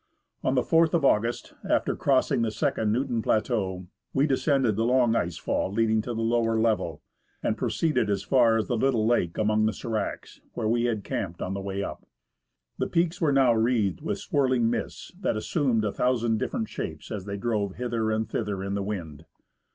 On the 4th of August, after crossing the second Newton plateau, we descended the long ice fall leading to the lower level, and proceeded as far as the little lake among the sdracs, where we had camped on the way up. The peaks were now wreathed with swirling mists that assumed a thousand different shapes as they drove hither and thither in the wind.